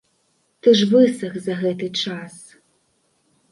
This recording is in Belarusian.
Ты ж высах за гэты час.